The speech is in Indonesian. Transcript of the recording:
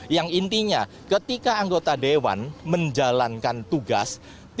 yang intinya ketika anggota dewan menjalankan tugas